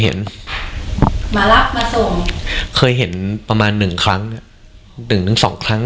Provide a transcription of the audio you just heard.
เห็นมารับมาส่งเคยเห็นประมาณหนึ่งครั้งหนึ่งถึงสองครั้ง